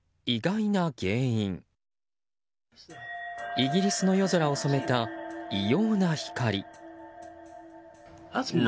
イギリスの夜空を染めた異様な光。